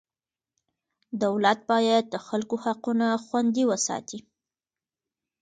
دولت باید د خلکو حقونه خوندي وساتي.